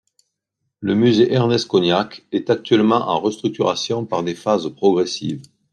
Le musée Ernest-Cognacq est actuellement en restructuration par des phases progressives.